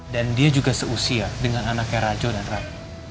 dan dia juga seusia dengan anaknya rajo dan ratna